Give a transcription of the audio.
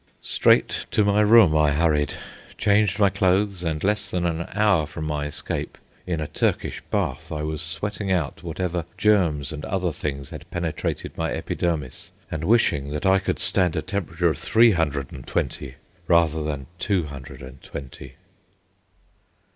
Straight to my room I hurried, changed my clothes, and less than an hour from my escape, in a Turkish bath, I was sweating out whatever germs and other things had penetrated my epidermis, and wishing that I could stand a temperature of three hundred and twenty rather than two hundred and twenty.